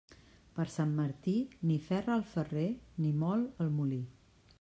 Per Sant Martí, ni ferra el ferrer ni mol el molí.